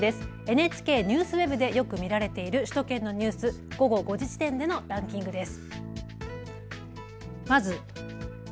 ＮＨＫＮＥＷＳＷＥＢでよく見られている首都圏のニュース、午後５時時点でのランキングです。